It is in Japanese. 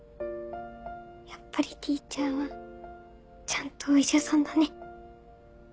やっぱりＴｅａｃｈｅｒはちゃんとお医者さんだね。